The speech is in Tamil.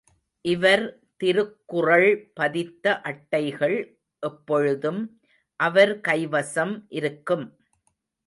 இவர் திருக்குறள் பதித்த அட்டைகள் எப்பொழுதும், அவர் கைவசம் இருக்கும்.